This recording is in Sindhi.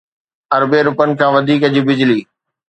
اربين رپين کان وڌيڪ جي بجلي